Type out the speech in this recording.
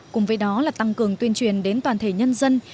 cùng với đó là tăng cường tuyên truyền đến toàn thể nhân dân